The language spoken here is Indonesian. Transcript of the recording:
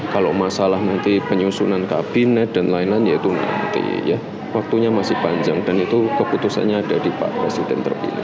kalau masalah nanti penyusunan kabinet dan lain lain ya itu nanti ya waktunya masih panjang dan itu keputusannya ada di pak presiden terpilih